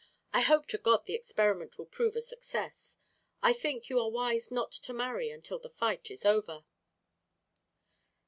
I hope to God the experiment will prove a success. I think you are wise not to marry until the fight is over."